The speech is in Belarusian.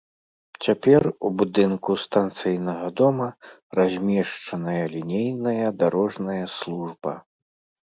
Цяпер у будынку станцыйнага дома размешчаная лінейная дарожная служба.